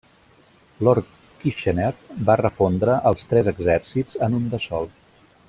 Lord Kitchener va refondre els tres exèrcits en un de sol.